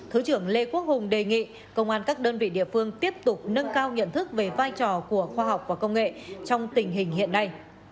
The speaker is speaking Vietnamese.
thứ trưởng lê quốc hùng đề nghị công an các đơn vị địa phương tiếp tục nâng cao nhận thức về vai trò của khoa học và công nghệ trong tình hình hiện nay